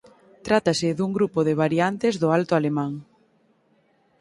Trátase dun grupo de variantes do alto alemán.